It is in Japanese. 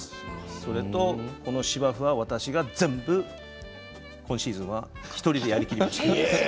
それと、この芝生は私が全部今シーズンは１人でやりきりました。